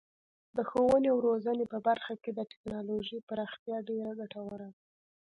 د ښوونې او روزنې په برخه کې د تکنالوژۍ پراختیا ډیره ګټوره ده.